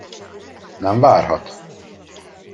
Nem várhat?